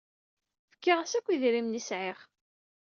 Fkiɣ-as akk idrimen ay sɛiɣ.